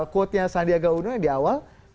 quotenya sandiaga uno yang di awal